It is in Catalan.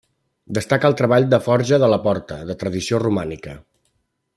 Destaca el treball de forja de la porta, de tradició romànica.